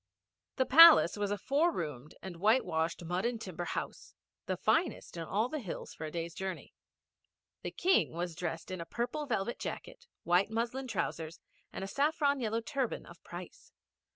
The Palace was a four roomed, and whitewashed mud and timber house, the finest in all the hills for a day's journey. The King was dressed in a purple velvet jacket, white muslin trousers, and a saffron yellow turban of price.